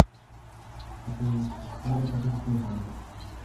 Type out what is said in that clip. ここで確実に祓います。